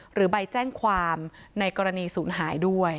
หรือใบแจ้งความในกรณีศูนย์หายด้วย